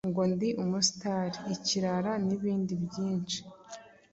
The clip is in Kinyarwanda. ngo ndi Umusitari ,ikirara n’ibindi byinshi.